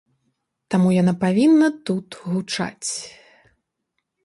Таму яна павінна тут гучаць.